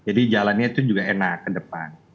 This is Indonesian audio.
jadi jalannya itu juga enak ke depan